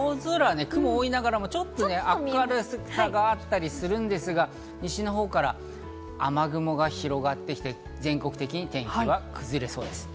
雲多いながらもちょっと明るさがあったりするんですが、西のほうから雨雲が広がってきて全国的に天気が崩れそうです。